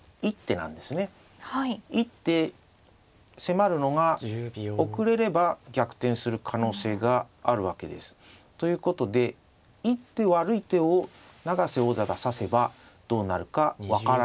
一手迫るのが遅れれば逆転する可能性があるわけです。ということで一手悪い手を永瀬王座が指せばどうなるか分からないと。